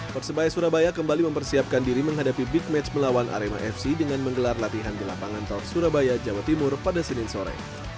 persebaya surabaya kembali mempersiapkan diri menghadapi big match melawan arema fc dengan menggelar latihan di lapangan tol surabaya jawa timur pada senin sore